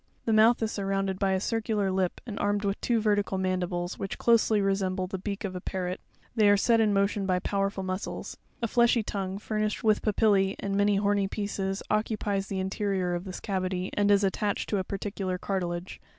'The mouth is surrounded by a circular lip, and armed with two ver tical mandibles, which closely resemble the beak of a parrot ; they are set in motion by powerful muscles. A fleshy tongue, furnished with papillee and many horny pieces, occupies the in terior of this cavity, and is attached to a particular cartilage.